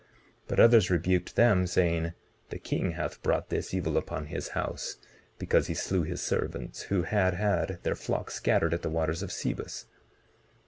19:20 But others rebuked them, saying: The king hath brought this evil upon his house, because he slew his servants who had had their flocks scattered at the waters of Sebus.